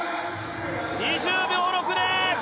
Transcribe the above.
２０秒６０！